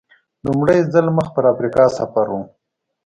لومړی ځل مخ پر افریقا سفر و.